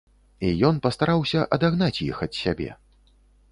І ён пастараўся адагнаць іх ад сябе.